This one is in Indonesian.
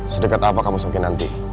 sedekat apa kamu semakin nanti